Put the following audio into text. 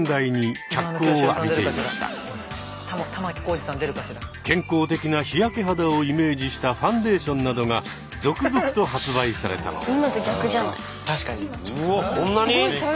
一方健康的な日焼け肌をイメージしたファンデーションなどが続々と発売されたのです。